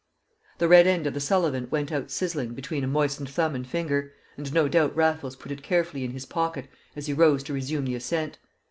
The red end of the Sullivan went out sizzling between a moistened thumb and finger, and no doubt Raffles put it carefully in his pocket as he rose to resume the ascent.